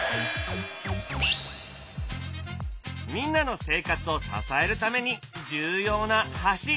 みんなの生活を支えるために重要な橋。